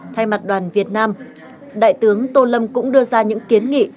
thay mặt đoàn việt nam đại tướng tô lâm cũng đưa ra những kiến nghị